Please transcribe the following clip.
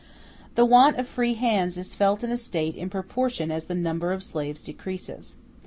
The want of free hands is felt in a State in proportion as the number of slaves decreases.